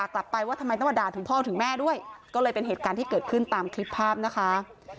กลับไปว่าทำไมต้องมาด่าถึงพ่อถึงแม่ด้วยก็เลยเป็นเหตุการณ์ที่เกิดขึ้นตามคลิปภาพนะคะ